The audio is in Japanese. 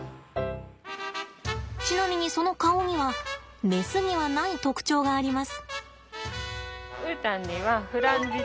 ちなみにその顔にはメスにはない特徴があります。